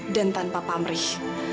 dan tanpa pamrih